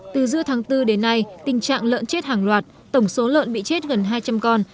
từ giữa tháng bốn đến nay tình trạng lợn chết hàng loạt tổng số lợn bị chết gần hai trăm linh con